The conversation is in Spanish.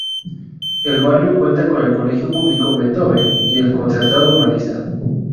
El barrio cuenta con el colegio público Beethoven y el concertado Humanitas.